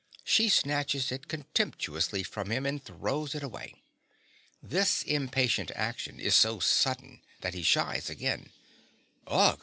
She snatches it contemptuously from him and throws it away. This impatient action is so sudden that he shies again._) Ugh!